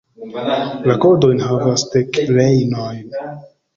La kodojn havas dek reionoj.